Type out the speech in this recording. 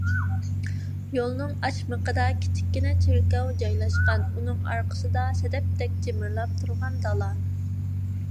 يولنىڭ ئاچىمىقىدا كىچىككىنە چېركاۋ جايلاشقان. ئۇنىڭ ئارقىسىدا سەدەپتەك جىمىرلاپ تۇرغان دالا.